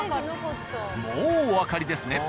もうおわかりですね。